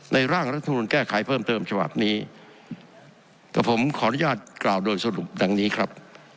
ร่างรัฐมนุนแก้ไขเพิ่มเติมฉบับนี้แต่ผมขออนุญาตกล่าวโดยสรุปดังนี้ครับ